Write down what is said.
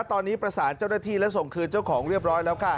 ตอนนี้ประสานเจ้าหน้าที่และส่งคืนเจ้าของเรียบร้อยแล้วค่ะ